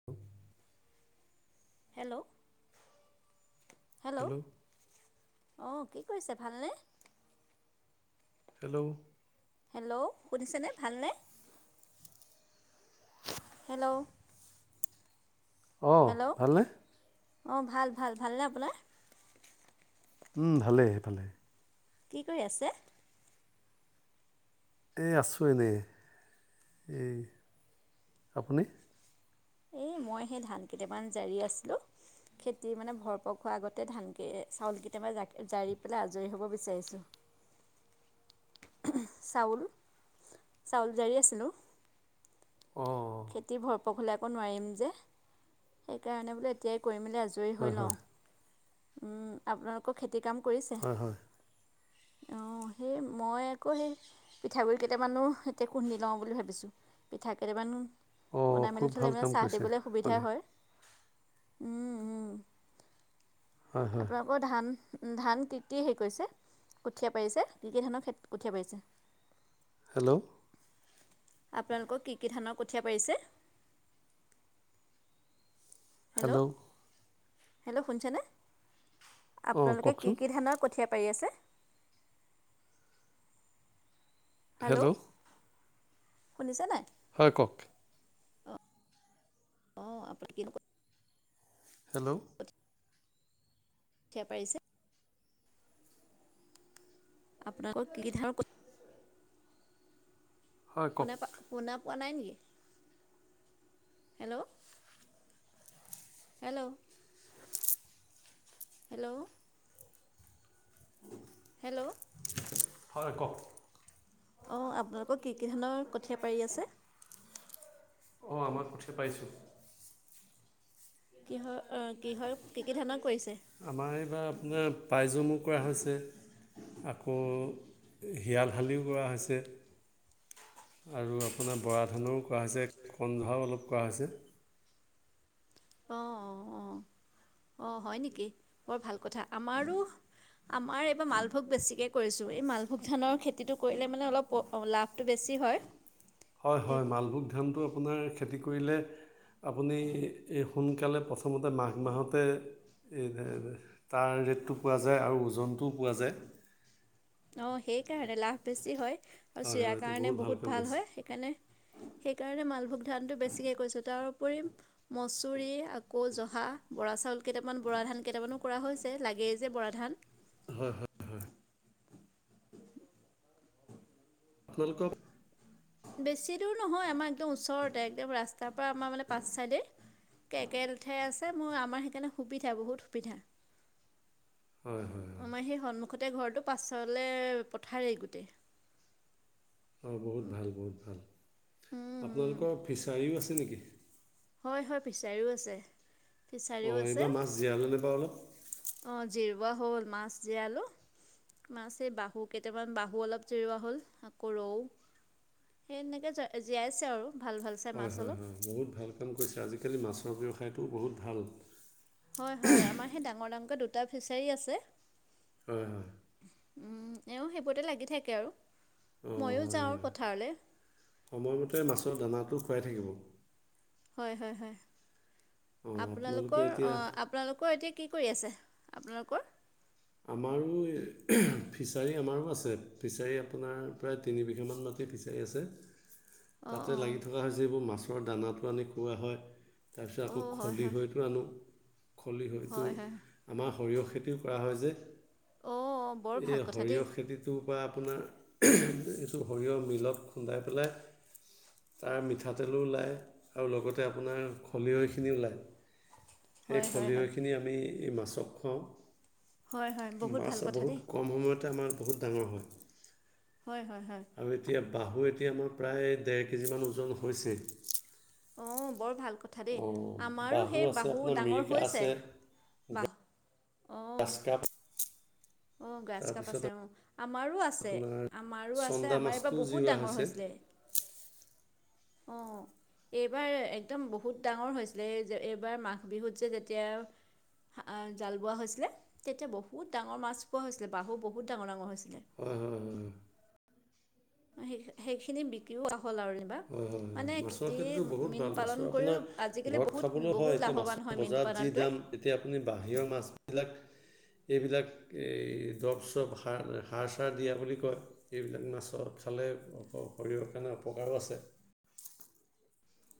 [inaudible] Hello hello. অ কি কৰিছে ভালনে। হেল্ল'। হেল্ল' শুনিছেনে ভালনে। হেল্ল'। অঁ হেল্ল' ভালনে অঁ ভাল ভাল ভালনে আপোনাৰ। উম ভালে ভালে। কি কৰি আছে। এই আছোঁ এনেই এ আপুনি। এই মই সেই ধান কেইটামান জাৰি আছিলোঁ। খেতি মানে ভৰপৰখোৱা আগতে ধানকেই চাউল কেতিয়াবা জ জাৰি পেলাই আজৰি হ'ব বিচাৰিছোঁ। চাউল চাউল জাৰি আছিলো। অঁ। খেতি ভৰপক হ'লে আকৌ নোৱাৰিম যে সেইকাৰণে বোলে এতিয়াই কৰিমেলি আজ। হয় দৈ হয় লওঁ আপোনালোকৰ খেতি কাম কৰিছে। হয় হয় অ সেই মই আকৌ সেই। পিঠাগুড়ি কেইটামানো এতিয়া খুন্দি লওঁ বুলি ভাবিছোঁ পিঠা কেইটামানো। অঁ বনাই মেলি খুব থ'লে ভাল ইমান কাম চাহ কৰিছে দিবলৈ সুবিধা আপুনি হয় উম উম। হয় হয়। [inaudible] ধান ধান কি কি হেৰি কৰিছে কঠীয়া পাৰিছে কি কি ধানৰ খে কঠীয়া পাৰিছে। হেল্ল'। আপোনালোকক কি কি ধানৰ কঠীয়া পাৰিছে। হেল্ল' হেল্ল' শুনিছেনে অঁ আপোনালোকে কি কওকচোন কি ধানৰ। কঠীয়া পাৰি আছে। হেল্ল' শুনিছে নাই। হয় ক। অ [inaudible] হেল্ল'। ঠিয়া পাৰিছে। আপোনালোকৰ কি কি ধানৰ ক। হয় কওক শুনা পা শুনা পোৱা নাই নেকি হেল্ল'। হেল্ল'। হেল্ল'। হেল্ল'। হয় ক'ওক? অ', আপোনালোকৰ কি কি ধানৰ কঠীয়া পাৰি আছে? অ', আমাৰ কঠীয়া পাৰিছোঁ। কিহৰ কিহৰ কি কি ধানৰ কৰিছে? আমাৰ এইবাৰ আপোনাৰ পাইজমো কৰা হৈছে। আকৌ হিয়ালহালিও কৰা হৈছে। [unintelligible] আৰু আপোনাৰ বৰা ধানৰো কৰা, হৈছে কণধাও অলপ কৰা হৈছে। অ', অ', অ', অ', হয় নেকি বৰ ভাল কথা। আমাৰো আমাৰ এইবাৰ মালভোগ বেছিকে কৰিছোঁ, এই মালভোগ ধানৰ খেতিটো কৰিলে মানে অলপ লাভ তো বেছি হয়। হয় সেই হয়, মালভোগ ধানটো আপোনাৰ খেতি কৰিলে আপুনি এই সোনকালে প্ৰথমতে মাঘ মাহতে [unintelligible] তাৰ ৰেটটো পোৱা যায় আৰু ওজনটোও পোৱা যায়। অ', সেইকাৰণে লাভ বেছি হয়, আৰু হয় চিৰা হয় এইটো কাৰণে বহুত কাম ভাল কৰিছে হয় সেইকাৰণে সেইকাৰণে মালভোগ ধানটো বেছিকে কৰিছোঁ, তাৰ উপৰি মচৰি আকৌ জহা, বৰা চাউল কেইটামান বৰা ধান কেইটামানো কৰা হৈছে লাগেই যে বৰা ধান। হয় হয়। আপোনালোকৰ বেছি দূৰ নহয় আমাৰ একদম ওচৰতে একদম ৰাস্তাৰ পৰা আমাৰ মানে পাঁচ চাইডে। কে-কেলেঠাইয়ে আছে মোৰ আমাৰ সেইকাৰণে সুবিধা বহুত সুবিধা। হয়। হয় হয় আমাৰ সেই সন্মুখতে ঘৰটো পাছলে পথাৰেই গোটেই। অ', বহুত ভাল বহুত ভাল। উম, উম। আপোনালোকৰ ফিচাৰীও আছে নেকি? হয় হয় ফিছাৰীও আছে। ফিচাৰীও অ', এইবাৰ মাছ জিয়ালেনে বাৰু অলপ? অ', জিৰুোৱা হ'ল মাছ জিৱালো। মাছ এই বাহু কেইটামান বাহু অলপ জিৰৱোৱা হ'ল আকৌ ৰৌ। সেই এনেকে জ-জীয়াইছে আৰু ভাল ভাল চা হয় হয় হয়, বহুত ভাল কাম কৰিছা আজিকালি মাছৰ ব্যৱসায়টোও বহুত ভাল। হয় হয়, আমাৰ সেই ডাঙৰ ডাংটো দুটা ফিচাৰী আছে। হয় হয়। উম, এওঁ সেইবোৰতে লাগি থাকে আৰু অঁ ময়ো হয় যাওঁ আৰু হয় পথাৰলে। সময়মতে মাছৰ দানাটো খুৱাই থাকিব। হয় হয় হয়। অঁ আপোনালোকে আপোনালোকৰ অ', এতিয়া আপ আপোনালোকৰ এতিয়া কি কৰি আছে আপোনালোকৰ? আমাৰো [inaudible] ফিছাৰী আমাৰো আছে ফিছাৰী আপোনাৰ প্ৰায় তিনি বিঘামান মান মাট তে ফিচাৰী আছে। [unintelligible] তাতে অঁ লাগি থকা হৈছে এইবোৰ মাছৰ দানাটো আনি খুওৱা হয় তাৰপিছত আকৌ অঁ হয় হয় খলিহৈ সেইটো আনো, খলিহৈটো। হয় হয় আমাৰ সৰিয়হ খেতিও কৰা হয় যে। অ'। এই সৰিয়হ খেতিত সেইটোৰ পৰা আপোনাৰ এইটো সৰিয়হ মিলত খুন্দাই পেলাই তাৰ মিঠাতেলো ওলায়, আৰু লগতে আপোনাৰ খলহৈখিনিও ওলায়। [unintelligible] সেই হয় খলহৈখিনি আমি এই মাছক খুৱাওঁ। হয় হয় বহুত ভাল মাছ কথা বহুত দেই কম সময়তে আমাৰ বহুত ডাঙৰ হয়। হয় হয় হয়। আৰু এতিয়া বাহু এতিয়া আমাৰ প্ৰায় ডেৰ কেজিমান ওজন হৈছে। অ বৰ ভাল কথা দেই অঁ আমাৰো সেই আছে বাহু আপোনাৰ ডাঙৰ মিৰিকা হৈছে আছে বাহু। ঘাচ কাপ। অ গছ কাপা তাৰপিছত আছে অ। আমাৰো আছে আপোনাৰ আমাৰো আছে চন্দা আমাৰ মাছটো এইবাৰ বহুত জিওৱা ডাঙৰ হৈছে হৈছিলে। অঁহ। এইবাৰ একদম বহুত ডাঙৰ হৈছিলে এই যে এইবাৰ মাঘ বিহুত যে যেতিয়া- জাল বোৱা হৈছিলে তেতিয়া বহুত ডাঙৰ মাছ পোৱা হৈছিলে বাহু বহুত ডাঙৰ ডাঙৰ হৈছিলে। অ হয় হয়। সেই সেইখিনি বিক্ৰীওৱা হ'ল আৰু। হয় হয় হয় মানে মাছৰ খেতি খেতিতো বহুত মীন ভাল পালন মাছৰ কৰিও আপোনাৰ আজিকালি ঘৰত বহুত খাবলৈ বহুত হয় এতিয়া লাভৱান হয় মাছ- মীন বজাৰত যি পালনটোৱে দাম এতিয়া আপুনি বাহিৰৰ মাছবিলাক- এইবিলাক এই দ্ৰব চাপ সাৰ সাৰ চাৰ দিয়া বুলি কয়। এইবিলাক মাছৰ খালে শৰীৰৰ কাৰণে অপকাৰো আছে।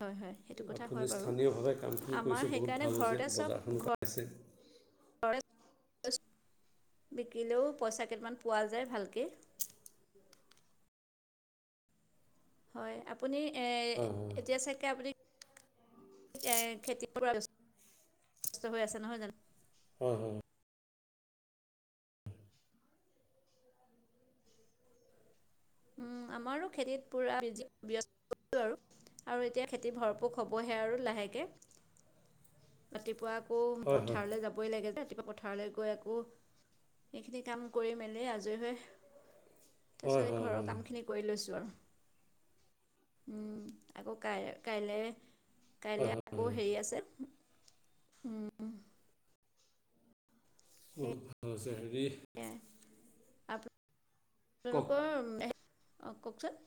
হয় হয় সেইটো কথা আপুনি হয় বাৰু, স্থানীয়ভাৱে কামখিনি আমাৰ কৰিছে বহুত সেইকাৰণে ভাল হৈছে ঘৰতে চব বজাৰখনো ঘৰ- পাইছে বিকিলেও পইচা কেইটামান পোৱা যায় ভালকে। হয় আপুনি হয় এতিয়া চাগে আপুনি- খেতিয়ৰ পৰা ব্যৱস্থা হৈ আছে নহয় জানো। হয় হয় হয়। উম আমাৰো খেতিত পুৰা ব্যৱস্থা আৰু। আৰু এতিয়া খেতি ভৰপক হ'বহে আৰু লাহেকে। ৰাতিপুৱা আকৌ হয় হয় পথাৰলৈ যাবই লাগে ৰাতিপুৱা পথাৰলৈ গৈ আকৌ- সেইখিনি কাম কৰি মেলি আজৰি হৈ, হয় হয় তাৰপিছক হয় হয় ঘৰৰ- খিনি হয় কৰি লৈছো আৰু, উম আকৌ কাই কাইলৈ- কাইলে হয় আকৌ হেৰি আছে, উম। বহুত ভাল হৈছে হেৰি। তাকে কওক আপোনালোকৰ, অঁহ কওকচোন?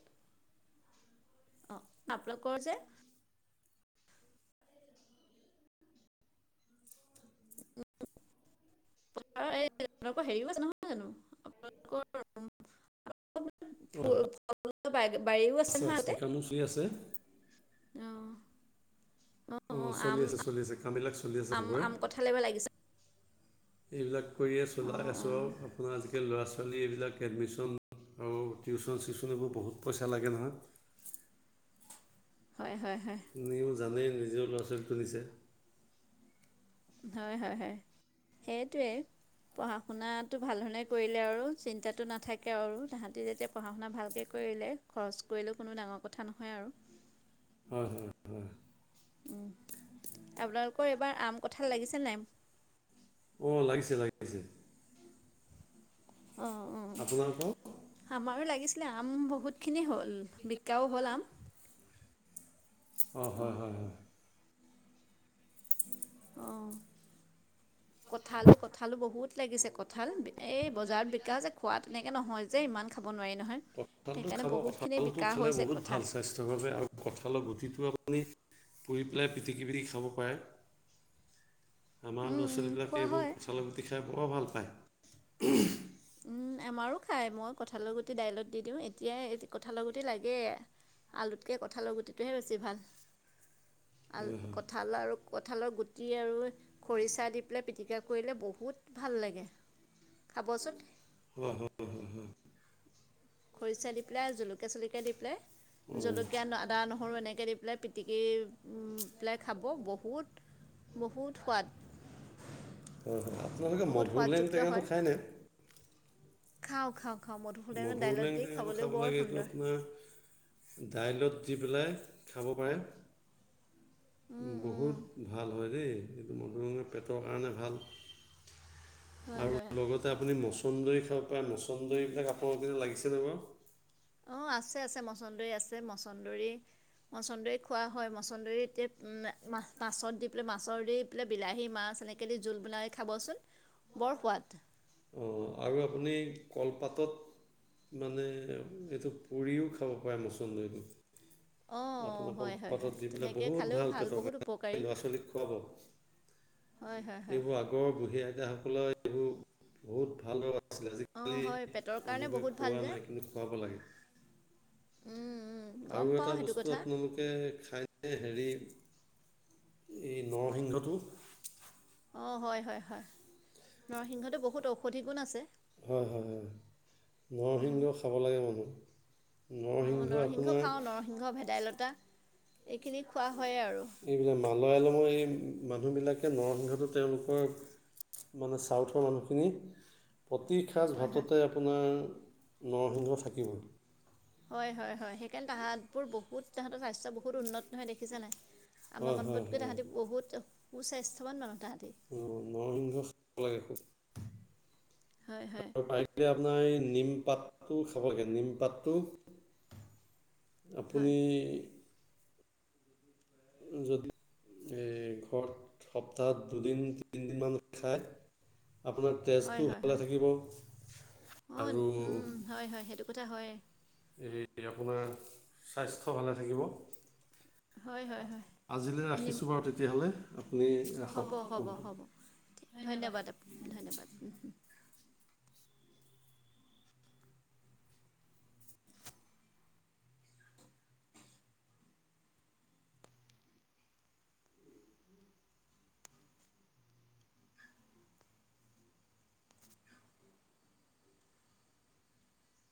অ আপোনালোকৰ যে- উম। পথাৰ এই আপোনালোকৰ হেৰি আছে নহয় জানো, অঁ আপোনালোকৰ- [unintelligible] বাৰীও আছে নহয়, কামো চলি আছে অহ। অঁহ চলি আছে চলি আছে কামবিলাক চলি আছে আম চবৰে, আম কঁঠাল এইবাৰ লাগিছে এইবিলাক- কৰিয়ে চলাই অঁ আছোঁ অঁ আৰু আপোনাৰ আজিকালি ল'ৰা ছোৱালী এইবিলাক- এডমিশ্যন আৰু টিউচন চিউচন এইবোৰ বহুত পইচা লাগে নহয়। হয় হয় হয়। নিজেও জানেই নিজৰ ল'ৰা ছোৱালী তুলিছে। হয় হয় হয়, সেইটোৱে। পঢ়া শুনাটো ভাল ধৰণে কৰিলে আৰু চিন্তাটো নাথাকে আৰু তাহাঁতি যেতিয়া পঢ়া শুনা ভালকে - কৰিলে খৰচ কৰিলেও কোনো ডাঙৰ কথা নহয় আৰু। হয় হয়। হয়। আপোনালোকৰ এইবাৰ আম কঁঠাল লাগিছে নাই? অ' লাগিছে লাগি অ', অ'। আপোনালোকৰ আমাৰো লাগিছিলে, আম বহুতখিনি হ'ল বিকাও হ'ল আম। অ' হয় অঁ হয় হয়। অ'। কঁঠালো-কঁঠালো বহুত লাগিছে কঁঠাল এই বজাৰত বিকা যে খোৱাত তেনেকৈ নহয় যে ইমান খাব নোৱাৰি নহয়, কঁঠালটো সেইকাৰণে বহুতখিনি বিকা হৈছে কথা স্বাস্থ্যভাৱে আৰু কঁঠালৰ গুটিটো আপুনি পুৰি পেলাই পিটিকি পিটি খাব পাৰে। [inaudible] আমাৰ উম, ল'ৰা উম, ছোৱালীবিলাকে খোৱা এইবোৰ হয় কঁঠাল গুটি খাই বৰ ভাল পায়। [unintelligible] উম আমাৰো খায়, মই কঁঠালৰ গুটি দাইলত দি দিওঁ এতিয়াই কঁঠালৰ গুটি লাগেয়ে। আলুত কে কঁঠালৰ গুতিটোহে বেছি ভাল আল কঠ কঁঠাল আৰু কঁঠালৰ গুটি আৰু খৰিচা দি পেলাই পিটিকা কৰিলে বহুত ভাল লাগে। খাবচোন। হয় হয়। খৰিচা দি পেলাই, জলকীয়া চলকীয়া দি পেলাই, অঁ জলকীয়া আদা নহৰু এনেকৈ দি পেলাই। পিটিকি পেলাই খাব বহুত বহুত সোৱাদ। হয় হয় আপোনালোকে বহুত মধুৰ লেং সোৱাদযুক্ত টেঙাটো খায়নে? খাও খাও। মধুুৰ লেং টেঙাতটো খাব লাগে এইটো সুন্দৰ আপোনাৰ দাইলত দি পেলাই খাব পাৰে। উম উম বহুত ভাল হয় দেই। সেইটো মধুুৰ লেং পেটৰ কাৰণে ভাল। হয় হয়। তাতে আপুনি মচন্দৰী খাব পাৰে মচন্দৰীবিলাক আপোনালোকনে লাগিছেনে বাৰু? অ' আছে আছে মছন্দৰী আছে মচন্দৰী মছন্দৰী খোৱা হয় মছন্দৰী এতিয়া মাছ মাছত দি পেলাই মাছৰ দি পেলাই বিলাহী মাছ এনেকৈ জোল বনাই খাবচোন বৰ সোৱাদ। অ' আৰু আপুনি কলপাতত মানে এইটো পুৰিও খাব পাৰে মচন্দৰীটো। অ' আপোনাৰ হয় হয় কলপাতত হয় দি পেলাই তেনেকে বহুত খালেও ভাল পেটৰ বহুত কাৰণে উপকাৰী। ল'ৰা ছোৱালীক খুৱাব হয় হয়। হয় এইবোৰ আগৰ বুঢ়ী আইতাসকলৰ এইবোৰ বহুত ভালদৰে ছিল অঁ আজিকালি হয় পেটৰ কাৰণে অনুকে বহুত ভাল খোৱা যে নাই কিন্তু খুৱাব লাগে। উম, উম, গম আৰু পাওঁ এটা সেইটো বস্তু কথা আপোনালোকে খাই নে হেৰি এই নৰসিংহটো। অ' হয় হয় হয়, নৰসিংহটো বহুত ঔষধি গুণ আছে। হয় হয় হয় নৰসিংহ খাব লাগে মানুহ। অ', নৰসিংহ খাওঁ নৰসিংহ ভেদাইলতা এইখিনি খোৱা হয়েই আৰু। এইবিলাক মালয়লমৰ এই মানুহবিলাকে নৰসিংহটো তেওঁলোকৰ মানে চাউথৰ মানুহখিনিৰ প্ৰতি সাঁচ হয় হয় ভাততে আপোনাৰ নৰসিংহ থাকিব। হয় হয় হয় সেইকাৰণে তাহাঁত বোৰ বহুত তাহাঁতৰ স্বাস্থ্য বহুত উন্নত হয় দেখিছা নাই। আমাৰ হয় হয় মানুহবোৰতকৈ হয় তাহাঁতি বহুত সুস্বাস্থ্যৱান মানুহ তাহাঁতি। অ নৰসিংহ লাগে আৰু। হয় হয় আপোনাৰ নিমপাতটো খাবগে নিমপাতটো হয় আপুনি যদি এই ঘৰত সপ্তাহত দুদিন তিনিদিনমান খায়। আপোনাৰ হয় টেজটো হয় ভালে হয় থাকিব অঁ আৰু। উম, হয় হয় সেইটো। টো হয়। এই আপোনাৰ স্বাস্থ্য ভালে থাকিব। হয় হয় হয় আজিলৈ নিম ৰাখিছোঁ বাৰু তেতিয়াহ'লে আপুনি ৰাখক হ'ব হ'ব ফোন। হ'ব। ধন্যবাদ ধন্যবাদ।